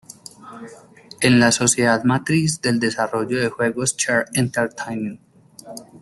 Es la sociedad matriz del desarrollador de juegos Chair Entertainment.